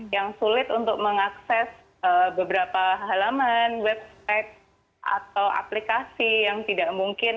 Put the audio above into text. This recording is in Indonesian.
yang sulit untuk mengakses beberapa halaman website atau aplikasi yang tidak mungkin